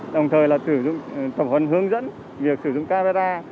đồng thời là sử dụng tập huấn hướng dẫn việc sử dụng camera